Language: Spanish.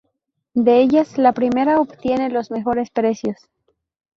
De ellas, la primera obtiene los mejores precios.